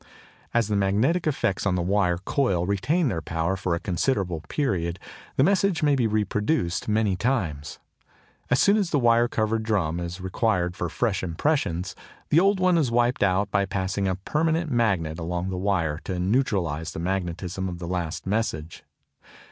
As the magnetic effects on the wire coil retain their power for a considerable period, the message may be reproduced many times. As soon as the wire covered drum is required for fresh impressions, the old one is wiped out by passing a permanent magnet along the wire to neutralise the magnetism of the last message.